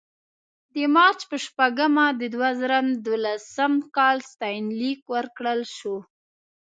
د مارچ په شپږمه د دوه زره دولسم کال ستاینلیک ورکړل شو.